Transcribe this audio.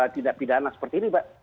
tidak pidana seperti ini pak